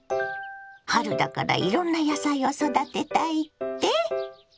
春だからいろんな野菜を育てたいって？